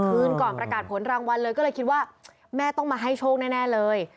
คืนก่อนประกาศผลรางวัลเลยก็เลยคิดว่าแม่ต้องมาให้โชคแน่เลย